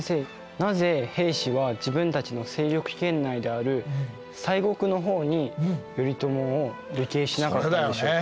なぜ平氏は自分たちの勢力圏内である西国の方に頼朝を流刑しなかったんでしょうか？